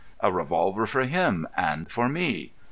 "A revolver for him and for me.